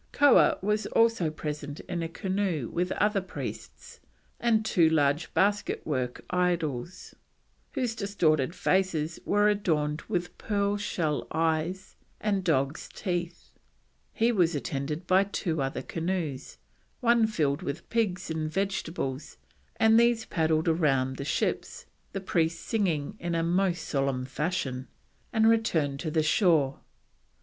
Koah was also present in a canoe with other priests and two large basket work idols, whose distorted faces were adorned with pearl shell eyes and dog's teeth; he was attended by two other canoes, one filled with pigs and vegetables, and these paddled round the ships, the priests singing "in most solemn fashion," and returned to the shore.